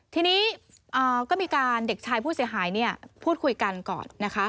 ทีนี้ก็มีการเด็กชายผู้เสียหายพูดคุยกันก่อนนะคะ